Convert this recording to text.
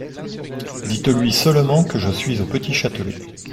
Dites-lui seulement que je suis au Petit-Châtelet.